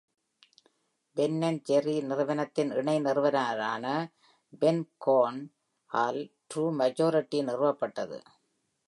Ben and Jerry's நிறுவனத்தின் இணை நிறுவனரான Ben Cohen -ஆல் TrueMajority நிறுவப்பட்டது.